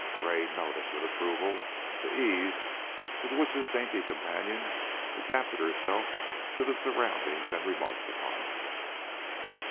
Gray noted with approval the ease with which his dainty companion adapted herself to the surroundings and remarked upon it.